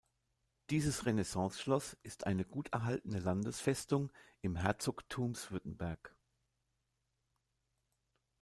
Dieses Renaissanceschloss ist eine gut erhaltene Landesfestung im Herzogtums Württemberg.